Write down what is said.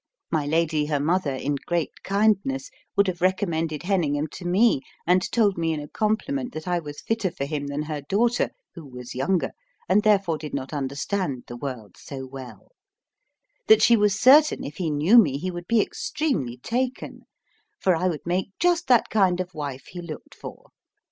My Lady her mother, in great kindness, would have recommended Heningham to me, and told me in a compliment that I was fitter for him than her daughter, who was younger, and therefore did not understand the world so well; that she was certain if he knew me he would be extremely taken, for I would make just that kind of wife he looked for.